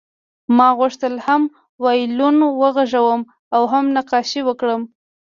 ما غوښتل هم وایلون وغږوم او هم نقاشي وکړم